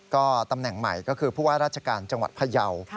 ก็ตำแหน่งใหม่ก็คือผู้ว่าราชการจังหวัดพยาว